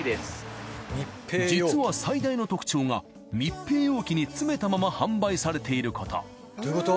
実は最大の特徴が密閉容器に詰めたまま販売されていること。